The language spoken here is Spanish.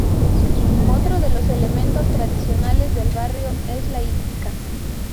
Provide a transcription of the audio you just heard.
Otro de los elementos tradicionales del barrio es la Hípica.